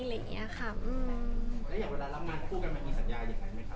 อย่างเวลารับมือพวกมันมีสัญญาอย่างไรไหมครับ